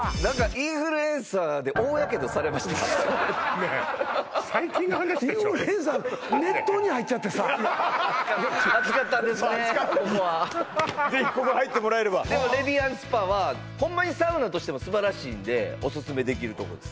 インフルエンサーとでも「レディアンスパ」はホンマにサウナとしても素晴らしいんでオススメできるとこです